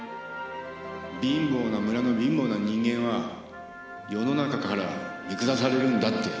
貧乏な村の貧乏な人間は世の中から見下されるんだって。